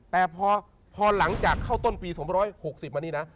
แต่พอหลังจากเข้าต้นปี๒๖๐มานี่นะ